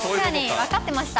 分かってました。